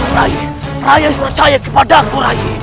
rai rai yang percaya kepadaku rai